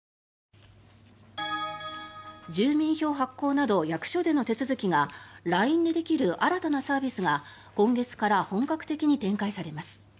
住民票発行など役所での手続きがＬＩＮＥでできる新たなサービスが今月から本格的に展開されます。